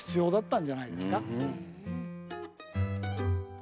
ん？